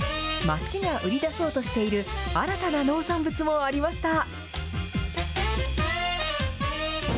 町が売り出そうとしている新たな農産物もありました。